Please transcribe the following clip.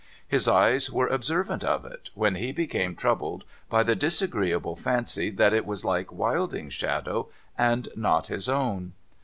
His eyes were observant of it, when he became troubled by the disagreeable fancy that it was like Wilding's shadow, and not his own.